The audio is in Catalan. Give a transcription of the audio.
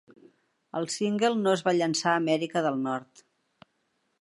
El single no es va llançar a Amèrica del Nord.